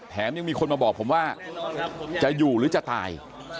แถมยังมีคนมาบอกผมว่าจะอยู่หรือจะตาย